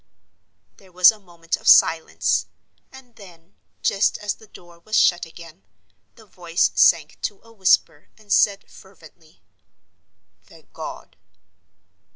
There was a moment of silence—and then, just as the door was shut again, the voice sank to a whisper, and said, fervently, "Thank God!"